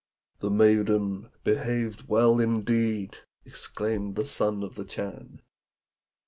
"The maiden behaved well indeed!" exclaimed the Son of the Chan.